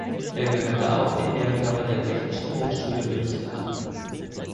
Er gehörte auch dem Lehrkörper der Technischen Hochschule München an.